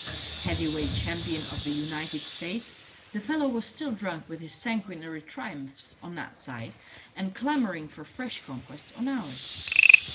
Heavy weight champion of the United States, the fellow was still drunk with his sanguinary triumphs on that side, and clamoring for fresh conquests on ours.